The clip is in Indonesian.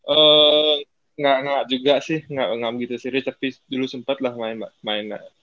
enggak enggak juga sih enggak gitu sih tapi dulu sempet lah main main